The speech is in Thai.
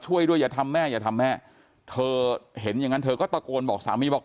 ช่วยด้วยอย่าทำแม่อย่าทำแม่เธอเห็นอย่างนั้นเธอก็ตะโกนบอกสามีบอก